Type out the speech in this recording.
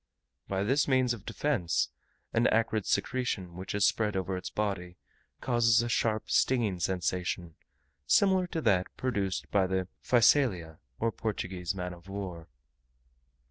Besides this means of defence, an acrid secretion, which is spread over its body, causes a sharp, stinging sensation, similar to that produced by the Physalia, or Portuguese man of war.